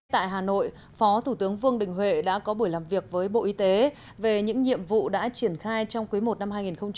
tại hà nội phó thủ tướng vương đình huệ đã có buổi làm việc với bộ y tế về những nhiệm vụ đã triển khai trong quý i năm hai nghìn hai mươi